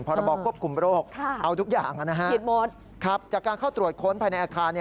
พรบควบคุมโรคเอาทุกอย่างผิดหมดครับจากการเข้าตรวจค้นภายในอาคาร